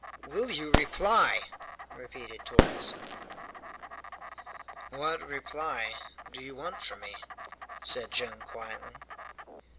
"Will you reply?" repeated Torres. "What reply do you want from me?" said Joam quietly.